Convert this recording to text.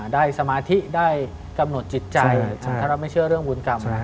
สมาธิได้กำหนดจิตใจถ้าเราไม่เชื่อเรื่องบุญกรรม